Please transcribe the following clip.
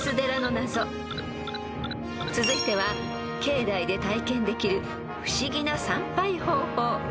［続いては境内で体験できる不思議な参拝方法］